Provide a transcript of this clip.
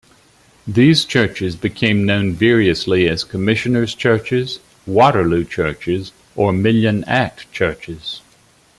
These churches became known variously as Commissioners' churches, Waterloo churches or Million Act churches.